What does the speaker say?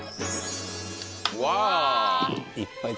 うわ！